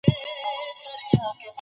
پاکوالی د ماشومانو لپاره مهم دی.